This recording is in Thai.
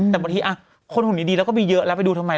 แต่บางทีคนหุ่นดีแล้วก็มีเยอะแล้วไปดูทำไม